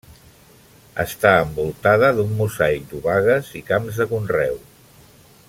Està envoltada d'un mosaic d'obagues i camps de conreu.